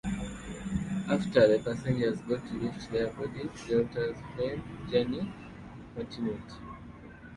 After the passengers got to lift their bodies, Delta’s plane journey continued.